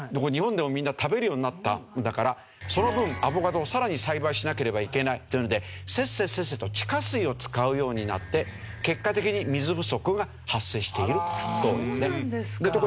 日本でもみんな食べるようになったんだからその分アボカドをさらに栽培しなければいけないというのでせっせせっせと地下水を使うようになって結果的に水不足が発生しているというんですね。